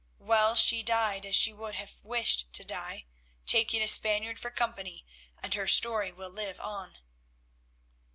Well, she died as she would have wished to die, taking a Spaniard for company, and her story will live on."